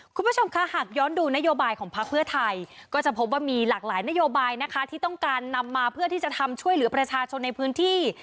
คุณผู้ชมคะหากย้อนดูนโยบายของพักเพื่อไทยก็จะพบว่ามีหลากหลายนโยบายนะคะที่ต้องการนำมาเพื่อที่จะทำช่วยเหลือประชาชนในพื้นที่